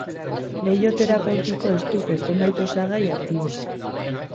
Leiho terapeutiko estuko zenbait osagai aktibo.